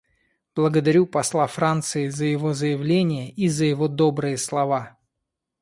Благодарю посла Франции за его заявление и за его добрые слова.